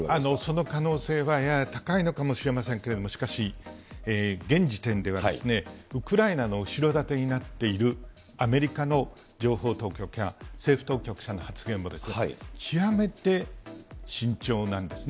その可能性はやや高いのかもしれませんけれども、しかし、現時点ではですね、ウクライナの後ろ盾になっているアメリカの情報当局や政府当局者の発言はですね、極めて慎重なんですね。